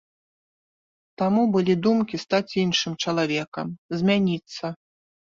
Таму былі думкі стаць іншым чалавекам, змяніцца.